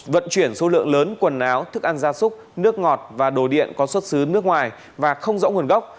vận chuyển số lượng lớn quần áo thức ăn gia súc nước ngọt và đồ điện có xuất xứ nước ngoài và không rõ nguồn gốc